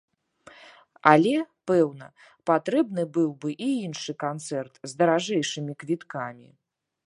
Але, пэўна, патрэбны быў бы і іншы канцэрт, з даражэйшымі квіткамі.